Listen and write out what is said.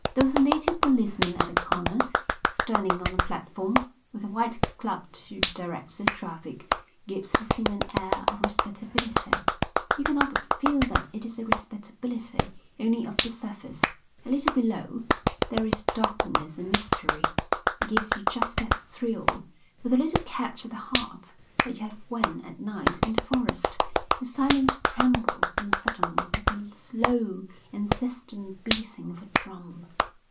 Though the native policeman at the corner, standing on a platform, with a white club to direct the traffic, gives the scene an air of respectability, you cannot but feel that it is a respectability only of the surface; a little below there is darkness and mystery. It gives you just that thrill, with a little catch at the heart, that you have when at night in the forest the silence trembles on a sudden with the low, insistent beating of a drum.